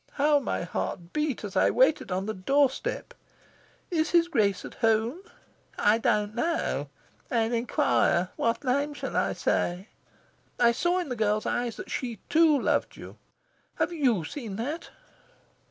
How my heart beat as I waited on the doorstep! 'Is his Grace at home?' 'I don't know. I'll inquire. What name shall I say?' I saw in the girl's eyes that she, too, loved you. Have YOU seen that?"